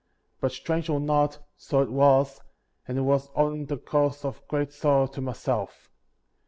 But strange or not, so it was, and it was often th<! cause of great sorrow to myself.